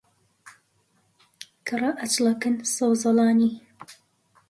کە ڕائەچڵەکن سەوزەڵانی